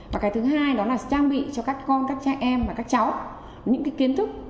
và cái thứ hai đó là trang bị cho các con các cha em và các cháu những cái kiến thức